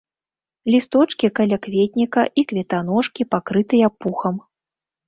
Лісточкі калякветніка і кветаножкі пакрытыя пухам.